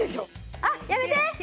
あっやめて！